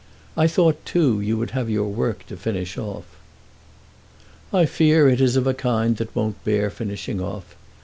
I thought, too, you would have your work to finish off." "I fear it is of a kind that won't bear finishing off.